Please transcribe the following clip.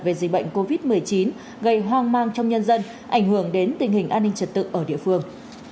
về dịch bệnh covid một mươi chín gây hoang mang trong nhân dân ảnh hưởng đến tình hình an ninh trật tự ở địa phương